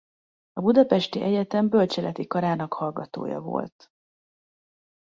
A budapesti egyetem bölcseleti karának hallgatója volt.